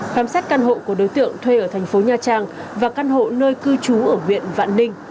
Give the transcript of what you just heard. khám xét căn hộ của đối tượng thuê ở thành phố nha trang và căn hộ nơi cư trú ở huyện vạn ninh